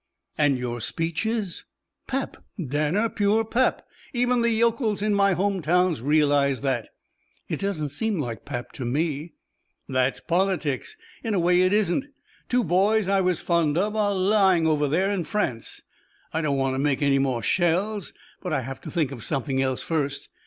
"And your speeches?" "Pap, Danner, pure pap. Even the yokels in my home towns realize that." "It doesn't seem like pap to me." "That's politics. In a way it isn't. Two boys I was fond of are lying over there in France. I don't want to make any more shells. But I have to think of something else first.